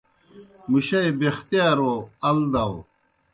مُشَئی بَیختِیارو ال داؤ۔